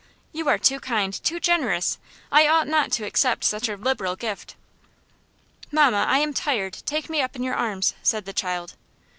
"You are too kind, too generous! I ought not to accept such a liberal gift." "Mamma, I am tired. Take me up in your arms," said the child.